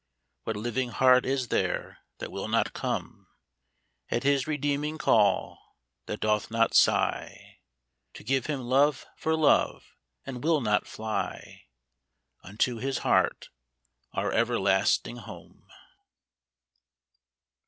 What living heart is there that will not come At His Redeeming call, that doth not sigh To give Him love for love, and will not fly Unto His Heart, our everlasting home?